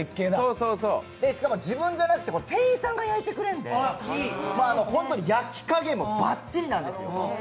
しかも、自分じゃなくて店員さんが焼いてくれるんで本当に焼き加減もばっちりなんですよ。